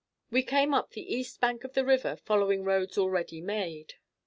We came up the east bank of the river following roads already made.